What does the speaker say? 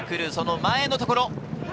前のところ。